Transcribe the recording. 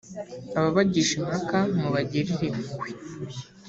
ababagisha impaka mubagirire impuhwe